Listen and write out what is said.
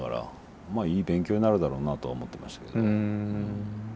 まあいい勉強なるだろうなとは思ってましたけど。